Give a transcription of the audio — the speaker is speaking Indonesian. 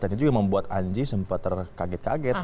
dan itu juga membuat anji sempat terkaget kaget